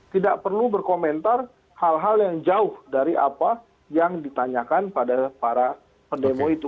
tidak perlu berkomentar hal hal yang jauh dari apa yang ditanyakan pada para pendemo itu